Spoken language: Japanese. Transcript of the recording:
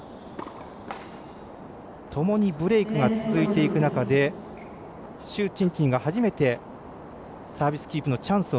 ともにブレークが続いていく中で朱珍珍が初めてサービスキープのチャンス。